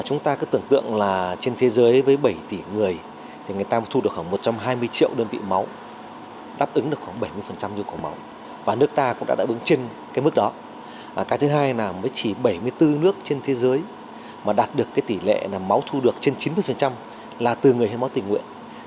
trong đó chín mươi tám ba lượng máu tiếp nhận từ người hiến máu tình nguyện